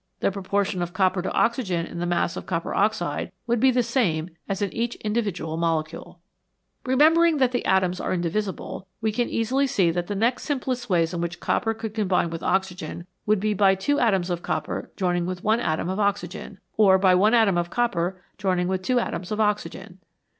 The proportion of copper to oxygen in the mass of copper oxide would be the same as in each individual molecule. Remembering that the atoms are indivisible, we can easily see that the next simplest ways in which copper could combine with oxygen would be by two atoms of copper joining with one atom of oxygen, or by one atom of copper joining with two atoms of oxygen.